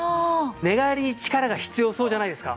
寝返りに力が必要そうじゃないですか？